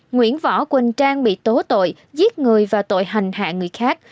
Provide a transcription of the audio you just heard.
nguyễn võ quỳnh trang bị tố tội giết người và tội hành hạ người khác